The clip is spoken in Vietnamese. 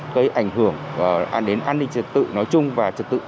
gây ảnh hưởng an đề chí